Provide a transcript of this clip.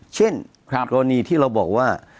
เช่นกรณีที่เราบอกว่า